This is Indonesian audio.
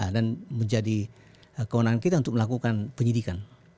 dan menjadi kewenangan kita untuk melakukan penyelidikan